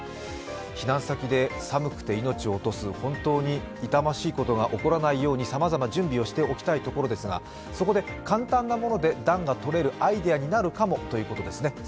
避難先で寒くて命を落とす、本当に痛ましいことが起こらないようにさまざま準備をしておきたいところですが、そこで簡単なもので暖がとれるアイデアになるかもということですね。